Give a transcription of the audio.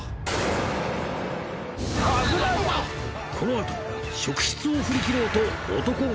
このあと職質を振りきろうと男が